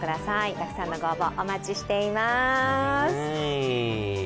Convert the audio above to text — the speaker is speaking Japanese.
たくさんのご応募、お待ちしております。